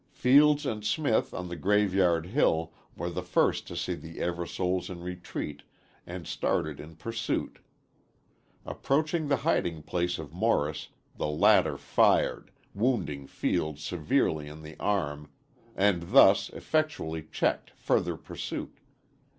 Fields and Smith on the Graveyard Hill were the first to see the Eversoles in retreat and started in pursuit. Approaching the hiding place of Morris, the latter fired, wounding Fields severely in the arm and thus effectually checked further pursuit.